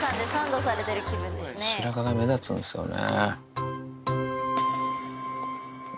白髪が目立つんですよね。